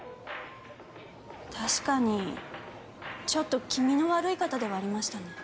確かにちょっと気味の悪い方ではありましたね。